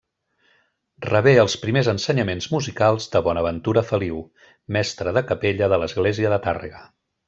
Rebé els primers ensenyaments musicals de Bonaventura Feliu, mestre de capella de l'església de Tàrrega.